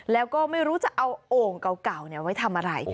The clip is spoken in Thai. แล้วก็ไม่รู้จะเอาโอ่งเก่าไว้ทำอะไร